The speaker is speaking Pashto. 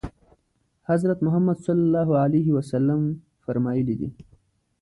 حضرت محمد صلی الله علیه وسلم فرمایلي دي.